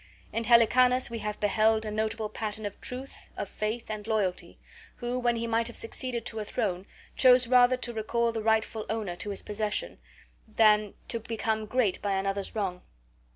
In Helicanus we have beheld a notable pattern of truth, of faith, and loyalty, who, when he might have succeeded to a throne, chose rather to recall the rightful owner to his possession than to become great by another's wrong.